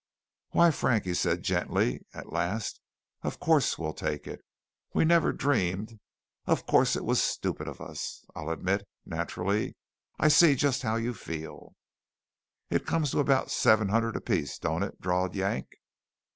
"Why, Frank," he said gently, at last, "of course we'll take it we never dreamed of course it was stupid of us, I'll admit. Naturally, I see just how you feel " "It comes to about seven hundred apiece, don't it?" drawled Yank.